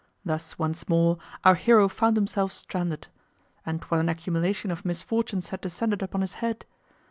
Thus once more our hero found himself stranded. And what an accumulation of misfortunes had descended upon his head!